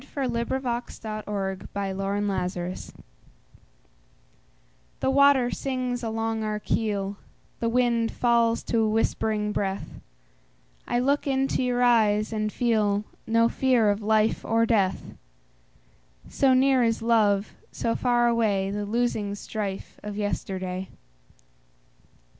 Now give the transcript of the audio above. By SophieJewett 1502 Armistice THE WATER sings along our keel, The wind falls to a whispering breath;I look into your eyes and feelNo fear of life or death; So near is love, so far awayThe losing strife of yesterday.